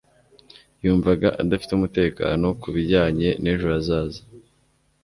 yumvaga adafite umutekano ku bijyanye n'ejo hazaza